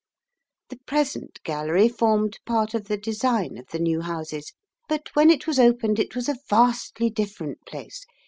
The present Gallery formed part of the design of the new Houses, but when it was opened it was a vastly different place.